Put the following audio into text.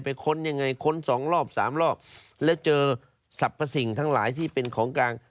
ค้นยังไงค้นสองรอบสามรอบแล้วเจอสรรพสิ่งทั้งหลายที่เป็นของกลาง